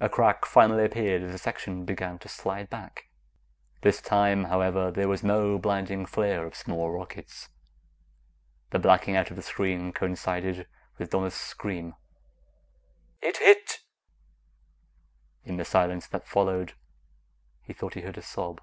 A crack finally appeared as a section began to slide back. This time, however, there was no blinding flare of small rockets. The blacking out of the screen coincided with Donna's scream. "It hit!" In the silence that followed, he thought he heard a sob.